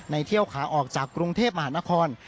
เที่ยวขาออกจากกรุงเทพมหานคร